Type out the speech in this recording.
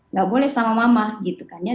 nggak boleh sama mama gitu kan ya